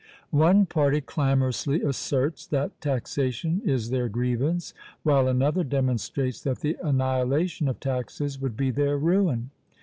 " One party clamorously asserts that taxation is their grievance, while another demonstrates that the annihilation of taxes would be their ruin!